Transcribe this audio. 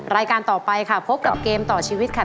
รายการต่อไปค่ะพบกับเกมต่อชีวิตค่ะ